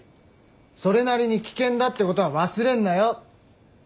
それなりに危険だってことは忘れんなよ。